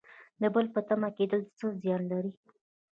د بل په تمه کیدل څه زیان لري؟